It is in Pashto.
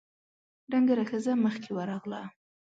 ډنګره ښځه مخکې ورغله: